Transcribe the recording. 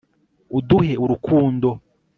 uduhe urukundo